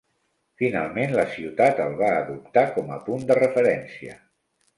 Finalment, la ciutat el va adoptar com a punt de referència.